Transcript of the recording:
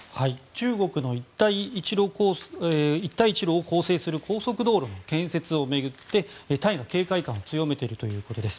中国の一帯一路を構成する高速道路の建設を巡ってタイが警戒感を強めているということです。